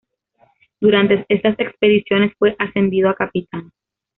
Durante estas expediciones fue ascendido a capitán.